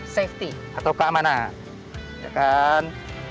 safety atau keamanan